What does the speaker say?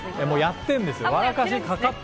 もうやってんですよ！笑か